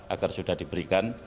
agar sudah diberikan